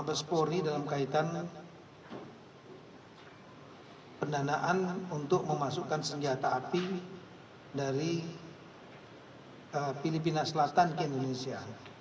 mabespori dalam kaitan pendanaan untuk memasukkan senjata api dari filipina selatan ke indonesia